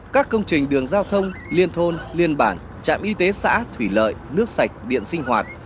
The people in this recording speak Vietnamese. các công trình đường giao thông liên thôn liên bản trạm y tế xã thủy lợi nước sạch điện sinh hoạt